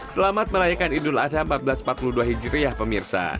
selamat merayakan idul adha seribu empat ratus empat puluh dua hijriah pemirsa